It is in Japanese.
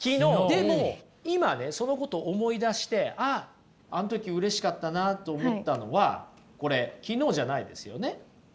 でも今ねそのこと思い出してあああん時うれしかったなと思ったのはこれ昨日じゃないですよね？